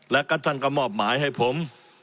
และก็ท่านก็มอบหมายให้ผม